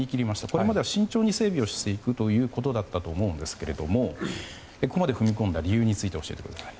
これまでは慎重に整備をしていくということだったと思うんですがここまで踏み込んだ理由について教えてください。